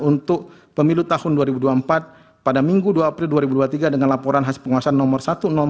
untuk pemilu tahun dua ribu dua puluh empat pada minggu dua april dua ribu dua puluh tiga dengan laporan hasil penguasaan nomor satu ratus dua